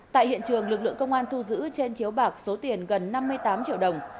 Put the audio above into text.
tại hiện trường lực lượng công an thu giữ trên chiếu bạc số tiền gần năm mươi tám triệu đồng